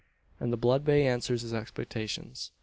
And the blood bay answers his expectations.